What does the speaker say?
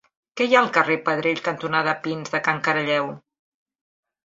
Què hi ha al carrer Pedrell cantonada Pins de Can Caralleu?